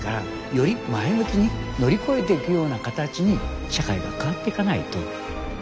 より前向きに乗り越えていくような形に社会が変わっていかないと。